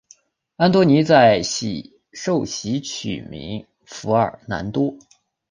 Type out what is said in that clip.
安多尼在受洗取名福尔南多。